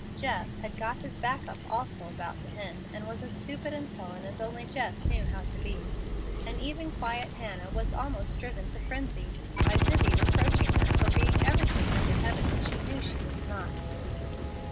Jeff had "got his back up" also about the hen, and was as stupid and sullen as only Jeff knew how to be; and even quiet Hannah was almost driven to frenzy by Zibbie reproaching her for being everything under heaven that she knew she was not.